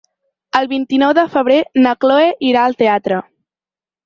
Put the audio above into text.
El vint-i-nou de febrer na Cloè irà al teatre.